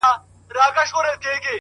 • هم یې توري هم توپونه پرېښودله ,